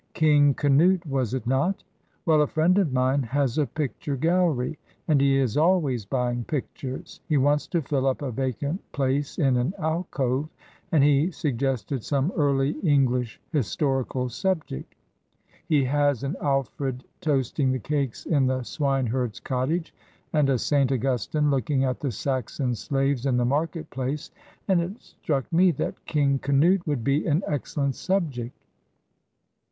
'King Canute,' was it not? Well, a friend of mine has a picture gallery, and he is always buying pictures. He wants to fill up a vacant place in an alcove, and he suggested some early English historical subject. He has an 'Alfred toasting the cakes in the swine herd's cottage,' and a 'St. Augustine looking at the Saxon slaves in the market place,' and it struck me that 'King Canute' would be an excellent subject."